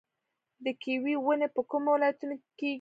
د کیوي ونې په کومو ولایتونو کې کیږي؟